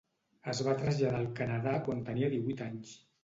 Es va traslladar al Canadà quan tenia divuit anys.